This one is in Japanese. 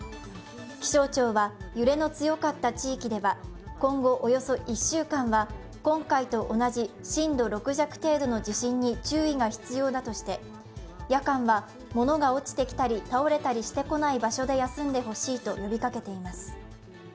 気象庁は揺れの強かった地域では、今後およそ１週間は今回と同じ震度６弱程度の地震に注意が必要だとして夜間はものが落ちたり倒れてきたりしてこない場所で休んでほしいと呼びかけています。